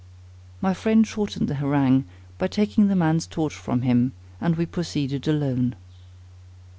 My friend shortened the harangue, by taking the man's torch from him; and we proceeded alone.